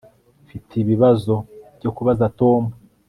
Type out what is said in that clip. Mfite ibibazo byo kubaza Tom